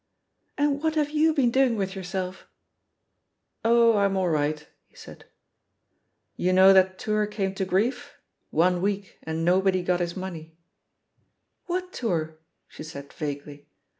"And what have you been doing with your self?'^ "Oh, I'm all right, he said. ... "You know that toiur came to grief? One week, and nobody got his money/' "What tour?" she said vaguely.